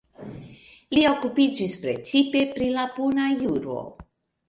Li okupiĝis precipe pri la puna juro.